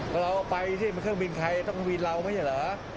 ก็เราไปที่เครื่องบินไทยต้องบินเราไม่ใช่เหรอ